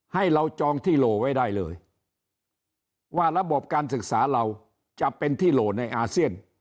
ให้เราจองที่โหลไว้ได้เลยว่าระบบการศึกษาเราจะเป็นที่โหลในอาเซียน